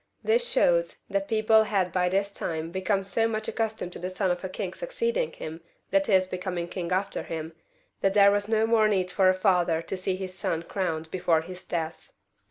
This shows that people had by this time become so much accustomed to the son of a king succeeding him — ^that is, becoming king after him — ^that there was no more need for a father to see his son crowned before his death.